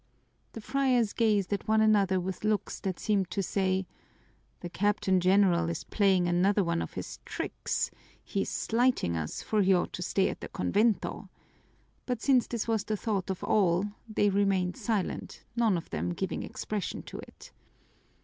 The friars gazed at one another with looks that seemed to say: "The Captain General is playing another one of his tricks, he is slighting us, for he ought to stay at the convento," but since this was the thought of all they remained silent, none of them giving expression to it.